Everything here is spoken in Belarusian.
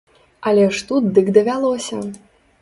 Але ж тут дык давялося.